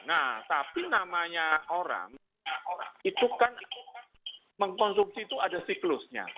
nah tapi namanya orang itu kan mengkonsumsi itu ada siklusnya